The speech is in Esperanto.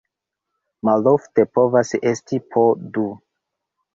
Malofte povas esti po du.